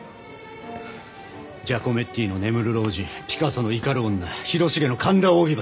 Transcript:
ジャコメッティの『眠る老人』ピカソの『怒る女』広重の『神田扇橋』